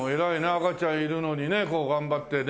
赤ちゃんいるのにねこう頑張ってね。